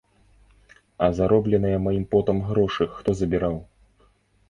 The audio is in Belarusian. А заробленыя маім потам грошы хто забіраў?